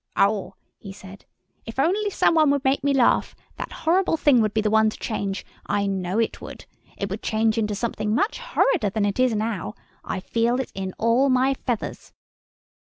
"Oh," he said, "if only some one would make me laugh, that horrible thing would be the one to change. I know it would. It would change into something much horrider than it is now. I feel it in all my feathers."